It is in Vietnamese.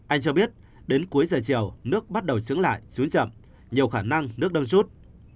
anh cho biết đến cuối giờ chiều nước bắt đầu chứng lại xuống chậm nhiều khả năng nước đông rút